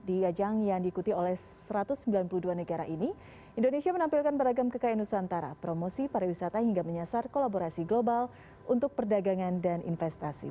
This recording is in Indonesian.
di ajang yang diikuti oleh satu ratus sembilan puluh dua negara ini indonesia menampilkan beragam kekayaan nusantara promosi pariwisata hingga menyasar kolaborasi global untuk perdagangan dan investasi